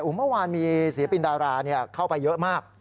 โอ้โหเมื่อวานมีศรีปรินดาราเข้าไปเยอะมาก